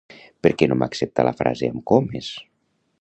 Perquè no m'accepta la frase amb comes?